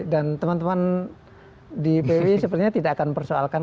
dan teman teman di bwi sepertinya tidak akan persoalkan